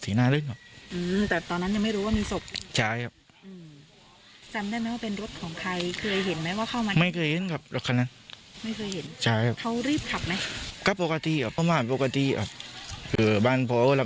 จำได้มั้ยเป็นรถของใครเคยเห็นไหมว่าเข้ามา